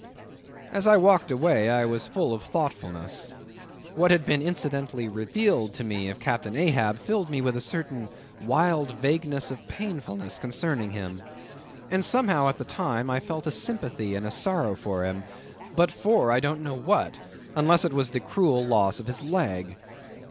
As I walked away, I was full of thoughtfulness; what had been incidentally revealed to me of Captain Ahab, filled me with a certain wild vagueness of painfulness concerning him. And somehow, at the time, I felt a sympathy and a sorrow for him, but for I don't know what, unless it was the cruel loss of his leg.